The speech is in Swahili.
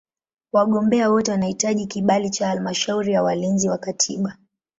Wagombea wote wanahitaji kibali cha Halmashauri ya Walinzi wa Katiba.